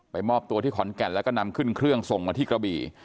มอบตัวที่ขอนแก่นแล้วก็นำขึ้นเครื่องส่งมาที่กระบี่